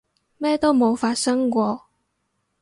咩都冇發生過